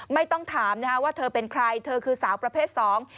ไม่ต้องถามนะฮะว่าเธอเป็นใครเธอคือสาวประเภทสอง